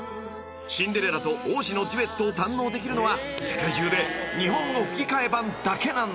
［シンデレラと王子のデュエットを堪能できるのは世界中で日本語吹き替え版だけなんです］